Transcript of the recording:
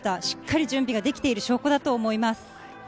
しっかり準備ができている証拠だと思います。